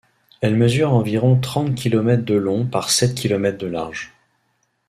Elle mesure environ trente kilomètres de long par sept kilomètres de large.